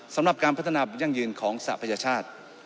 สำหรับการพัฒนายั่งยืนของสหประชาชาติ